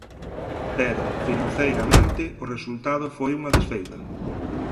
Pero financeiramente o resultado foi unha desfeita.